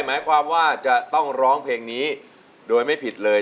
หมายความว่าจะต้องร้องเพลงนี้โดยไม่ผิดเลย